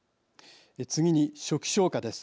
次に、初期消火です。